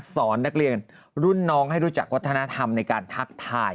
สอนนักเรียนรุ่นน้องให้รู้จักวัฒนธรรมในการทักทาย